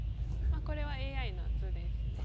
これはＡＩの図ですね。